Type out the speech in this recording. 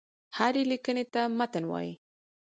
هري ليکني ته متن وايي.